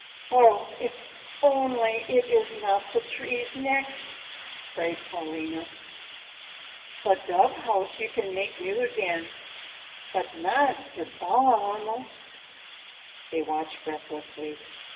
"Oh, if only it is not the trees next!" prayed Paulina. "The dove house you can make new again, but not die Bäume." They watched breathlessly.